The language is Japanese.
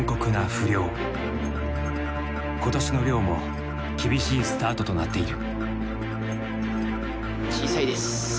今年の漁も厳しいスタートとなっている。